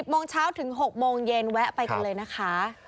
โมงเช้าถึง๖โมงเย็นแวะไปกันเลยนะคะ